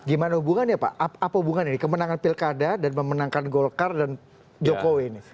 gimana hubungannya pak apa hubungannya ini kemenangan pilkada dan memenangkan golkar dan jokowi ini